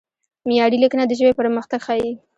معیاري لیکنه د ژبې پرمختګ ښيي.